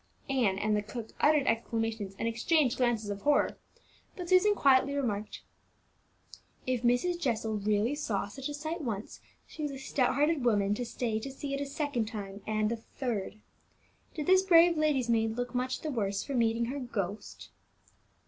Ann and the cook uttered exclamations, and exchanged glances of horror; but Susan quietly remarked, "If Mrs. Jessel really saw such a sight once, she was a stout hearted woman to stay to see it a second time, and a third. Did this brave lady's maid look much the worse for meeting her ghost?"